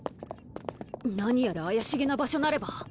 何やら怪しげな場所なれば。